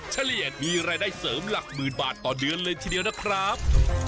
เฉลี่ยมีรายได้เสริมหลักหมื่นบาทต่อเดือนเลยทีเดียวนะครับ